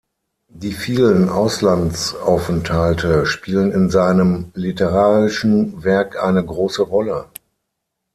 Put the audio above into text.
Die vielen Auslandsaufenthalte spielen in seinem literarischen Werk eine große Rolle.